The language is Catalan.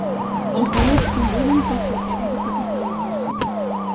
Els valors ponderen pel criteri de capitalització.